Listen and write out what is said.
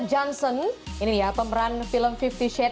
jadi bagaimana menurut kamu apa yang lebih menarik dari dress tersebut